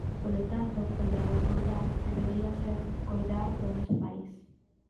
Polo tanto, coidar o rural debería ser coidar do noso país.